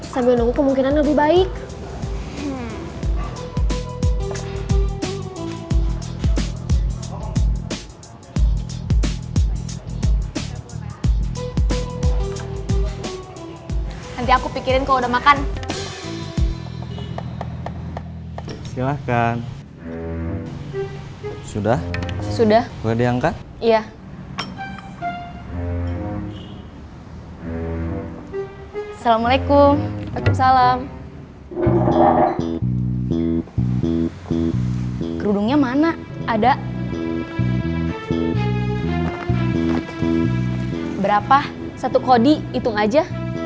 satu kodi hitung aja